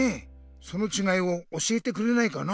そのちがいを教えてくれないかな。